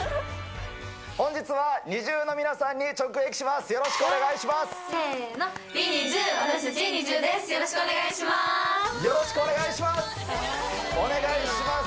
本日は、ＮｉｚｉＵの皆さんに直撃します。